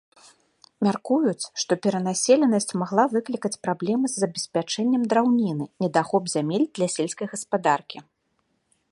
Мяркуюць, што перанаселенасць магла выклікаць праблемы з забеспячэннем драўніны, недахоп зямель для сельскай гаспадаркі.